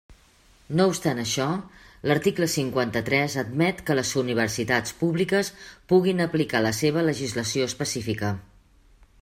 No obstant això, l'article cinquanta-tres admet que les universitats públiques puguin aplicar la seva legislació específica.